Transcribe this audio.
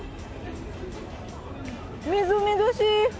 みずみずしい。